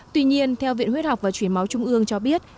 tuy nhiên theo viện huyết học và chuyển máu trung ương cho biết